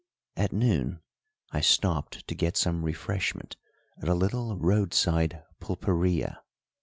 At noon I stopped to get some refreshment at a little roadside pulpería.